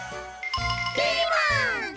ピーマン！